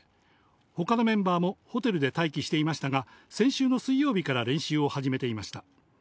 ほかのメンバーもホテルで待機していましたが、先週の水曜日から練習を始めていました。